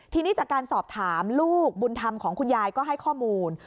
ทีนี้จากการสอบถามลูกบุญธรรมของคุณยายก็ให้ข้อมูล